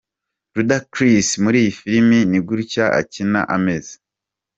Ludacris muri iyi filimi ni gutya akina ameze.